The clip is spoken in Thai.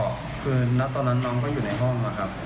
ก็คือณตอนนั้นน้องก็อยู่ในห้องนะครับ